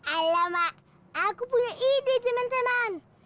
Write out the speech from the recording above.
alamak aku punya ide teman teman